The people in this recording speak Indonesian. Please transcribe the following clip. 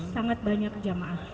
sangat banyak jamaah